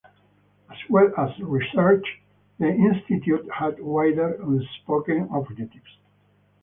As well as research, the Institute had wider, unspoken objectives.